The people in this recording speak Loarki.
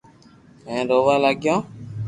ھين رووا لاگيو